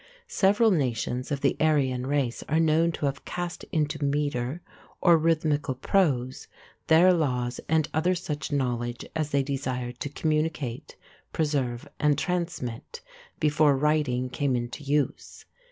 Several nations of the Aryan race are known to have cast into metre or rhythmical prose their laws and such other knowledge as they desired to communicate, preserve, and transmit, before writing came into use.